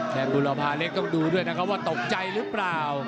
กุลภาเล็กต้องดูด้วยนะครับว่าตกใจหรือเปล่า